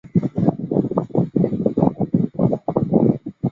此发现使内共生学说得到了支持。